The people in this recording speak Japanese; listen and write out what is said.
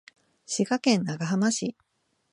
滋賀県長浜市